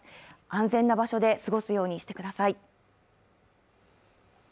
安全な場所で過ごすようにしてください。